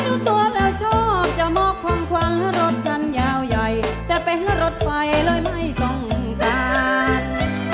ดูตัวแล้วชอบจะม้าที่ลวงชอบจะมอบคำความหลอดทั้งยาวใหญ่แต่ไปหลอดไปเลยไม่ต้องจัด